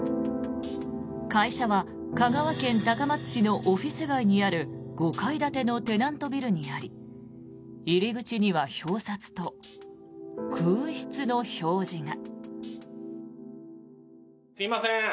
会社は香川県高松市のオフィス街にある５階建てのテナントビルにあり入り口には表札と空室の表示が。